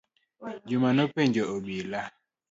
Juma nopenjo obila.